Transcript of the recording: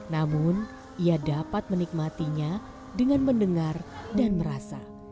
namun ia dapat menikmatinya dengan mendengar dan merasa